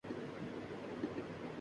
انشاء اللہ، اللہ کی مہربانی سے۔